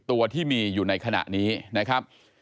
ตัวที่มีอยู่ในขณะนี้นะครับ